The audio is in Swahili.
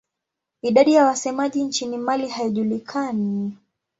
Idadi ya wasemaji nchini Mali haijulikani.